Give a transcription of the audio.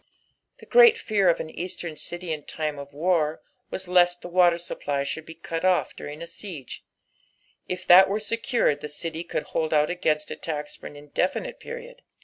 The great fear of au Eastern city in time of war was lest the water supply should be cut off during a siege ; if that were secured the city could hold out agaiuat attacks for an indeflnite period.